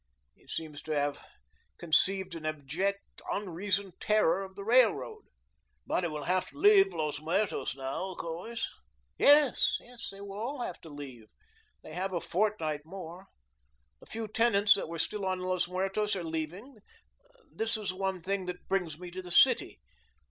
He seems to have conceived an abject, unreasoned terror of the Railroad." "But he will have to leave Los Muertos now, of course?" "Yes, they will all have to leave. They have a fortnight more. The few tenants that were still on Los Muertos are leaving. That is one thing that brings me to the city.